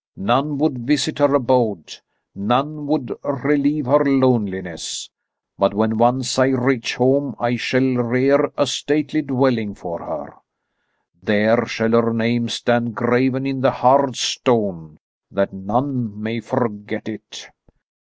None would visit her abode, none would relieve her loneliness. But when once I reach home, I shall rear a stately dwelling for her. There shall her name stand graven in the hard stone, that none may forget it.